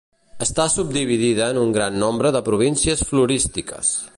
Està subdividida en un gran nombre de províncies florístiques.